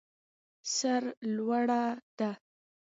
سر لوړه ده.